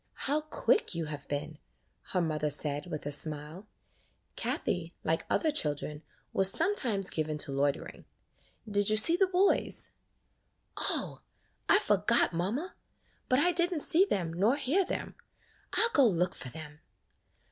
"How quick you have been," her mother said, with a smile. Kathie, like other children was sometimes given to loitering. "Did you see the boys?" [ 37 ] 'AN EASTER LILY "Oh! I forgot, mamma; but I did n't see them nor hear them. I 'll go look for them."